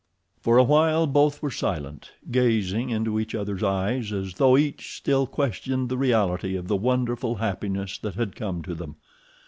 For a while both were silent—gazing into each others' eyes as though each still questioned the reality of the wonderful happiness that had come to them.